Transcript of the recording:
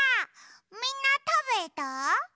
みんなたべた？